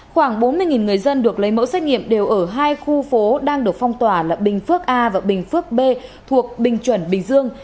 khoảng bốn mươi người dân được lấy mẫu xét nghiệm đều ở hai khu phố đang được phong tỏa là bình phước a và bình phước b thuộc bình chuẩn bình dương